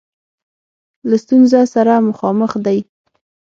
له ستونزه سره مخامخ دی.